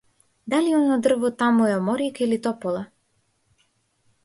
Дали она дрво таму е оморика или топола?